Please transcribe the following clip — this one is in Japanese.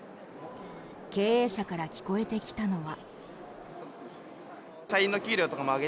経営者から聞こえてきたのは。